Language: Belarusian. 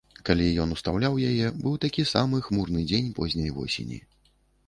Калі ён устаўляў яе, быў такі самы хмурны дзень позняй восені.